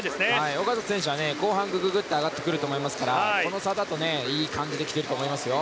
小方選手は後半、ググッと上がってくると思いますからこの差だと、いい感じで来てると思いますよ。